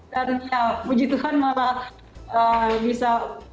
dan ya puji tuhan malah bisa